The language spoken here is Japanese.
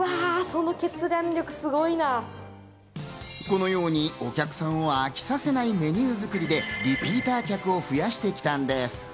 このように、お客さんを飽きさせないメニュー作りでリピーター客を増やしてきたのです。